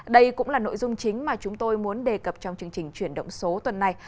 đây cũng là nội dung chính mà chúng tôi muốn đề cập trong chương trình chuyển động số tuần này